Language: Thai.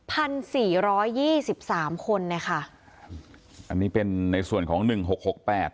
พันสี่ร้อยยี่สิบสามคนนะคะอันนี้เป็นในส่วนของหนึ่งหกหกแปด